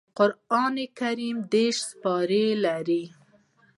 قران کريم دېرش سپاري لري